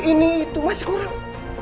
ini itu mas kurang